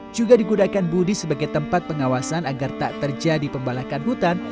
juga digunakan budi sebagai tempat pengawasan agar tak terjadi pembalakan hutan